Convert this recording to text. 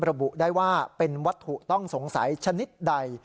ระบุได้ว่าเป็นวัตถุต้องสงสัยชนิดใด